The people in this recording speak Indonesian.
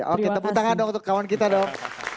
oke tepuk tangan dong untuk kawan kita dong